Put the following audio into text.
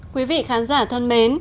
quý vị khán giả thân mến